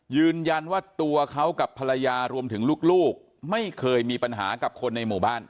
ยืนยันว่าตัวเขากับภรรยารวมถึงลูกไม่เคยมีปัญหากับคนในหมู่บ้าน